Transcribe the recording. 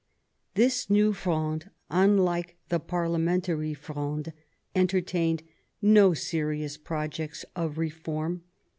This new Fronde, unlike the Parliamentary Fronde, entertained no serious projects of reform.